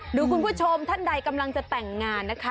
หรือคุณผู้ชมท่านใดกำลังจะแต่งงานนะคะ